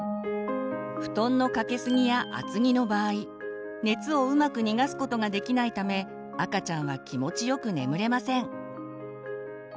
布団のかけすぎや厚着の場合熱をうまく逃がすことができないため赤ちゃんは気持ちよく眠れません。